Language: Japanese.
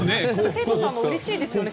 生徒さんもうれしいですよね。